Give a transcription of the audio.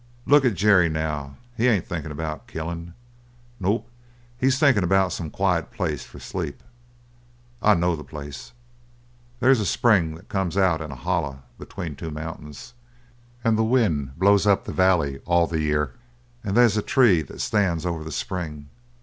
"Look at Jerry now. He ain't thinkin' about killin's. Nope, he's thinkin' about some quiet place for sleep. I know the place. They's a spring that come out in a holler between two mountains; and the wind blows up the valley all the year; and they's a tree that stands over the spring.